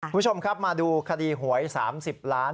คุณผู้ชมครับมาดูคดีหวย๓๐ล้าน